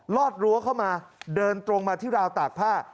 อดรั้วเข้ามาเดินตรงมาที่ราวตากผ้า